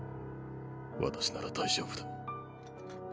私なら大丈夫だ。